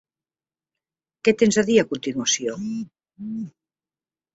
Què tens a dir a continuació?